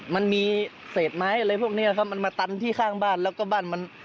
มันมีเศษไม้อะไรพวกเนี้ยครับมันมาตันที่ข้างบ้านแล้วก็บ้านมัน